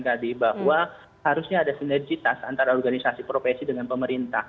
tadi bahwa harusnya ada sinergitas antara organisasi profesi dengan pemerintah